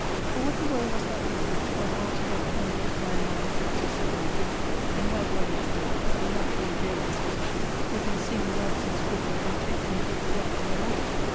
For what a woe must that be, which for an hour together can mortify a man six or seven and twenty, in high blood and spirits, of a naturally gay disposition, who can sing, dance, and scribble, and take and give delight in them all?